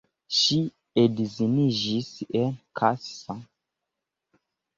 Ŝi edziniĝis en Kassa.